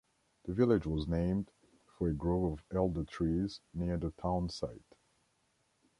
The village was named for a grove of elder trees near the town site.